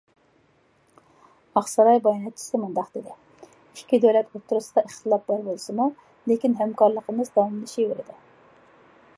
ئاقساراي باياناتچىسى مۇنداق دېدى: ئىككى دۆلەت ئوتتۇرىسىدا ئىختىلاپ بار بولسىمۇ، لېكىن، ھەمكارلىقىمىز داۋاملىشىۋېرىدۇ.